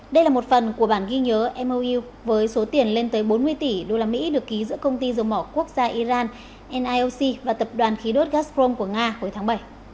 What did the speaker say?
đây là một phần của bản ghi nhớ mou với số tiền lên tới bốn mươi tỷ usd được ký giữa công ty dầu mỏ quốc gia iran nioc và tập đoàn khí đốt gazprom của nga hồi tháng bảy